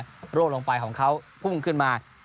ร่วงลงไปของเขาพุ่งขึ้นมา